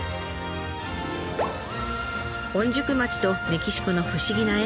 御宿町とメキシコの不思議な縁。